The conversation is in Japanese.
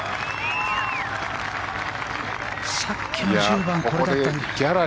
さっきの１０番これだったら。